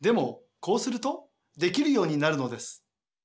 こうするとできるようになるのです。